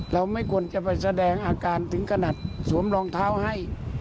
เราไม่ควรจะไปแสดงอาการถึงขนาดสวมรองเท้าให้